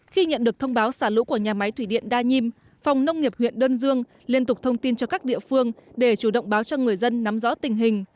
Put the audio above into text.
khi nhận được thông báo xả lũ của nhà máy thủy điện đa nhiêm phòng nông nghiệp huyện đơn dương liên tục thông tin cho các địa phương để chủ động báo cho người dân nắm rõ tình hình